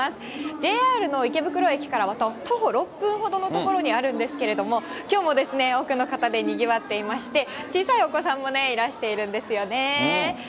ＪＲの池袋駅から徒歩６分ほどの所にあるんですけれども、きょうも多くの方でにぎわっていまして、小さいお子さんもいらしているんですよね。